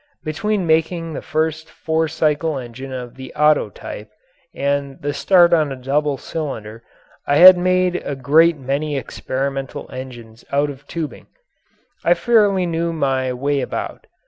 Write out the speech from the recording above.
Between making the first four cycle engine of the Otto type and the start on a double cylinder I had made a great many experimental engines out of tubing. I fairly knew my way about.